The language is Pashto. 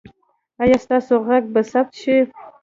ایا ستاسو غږ به ثبت شي؟